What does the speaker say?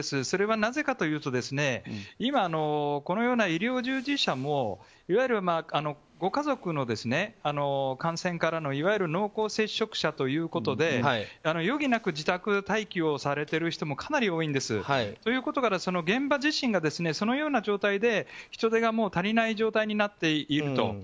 それはなぜかというと今、このような医療従事者もいわゆるご家族の感染からのいわゆる濃厚接触者ということで余儀なく自宅待機をされている人もかなり多いんです。ということから現場が人手が足りない状態になっていると。